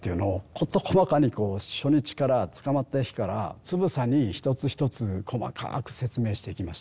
事細かに初日から捕まった日からつぶさに一つ一つ細かく説明していきました。